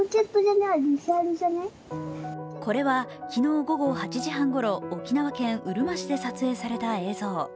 これは昨日午後８時半ごろ沖縄県うるま市で撮影された映像。